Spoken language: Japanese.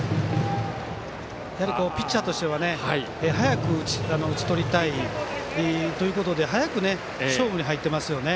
ピッチャーとしては早く打ち取りたいということで早く勝負に入っていますよね。